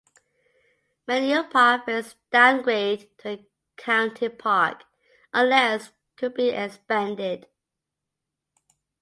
Minneopa faced a downgrade to a county park unless it could be expanded.